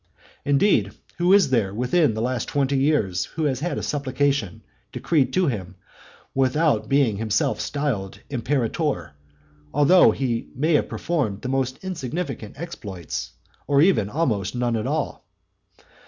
Indeed, who is there within the last twenty years who has had a supplication decreed to him without being himself styled imperator, though he may have performed the most insignificant exploits, or even almost none at all.